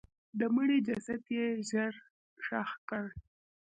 د مړي جسد یې ژر ښخ کړ.